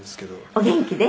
「お元気で？」